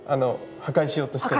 破壊しようとしてる？